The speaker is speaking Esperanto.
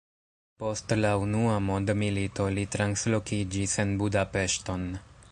Post la unua mondmilito li translokiĝis en Budapeŝton.